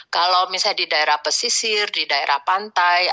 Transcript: kalau misalnya di daerah pesisir di daerah pantai